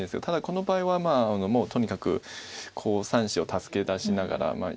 ただこの場合はもうとにかく３子を助け出しながら。